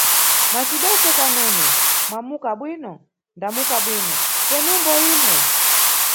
Macibese Kanene, wamuka bwino, damuka bwino, penumbo imwe?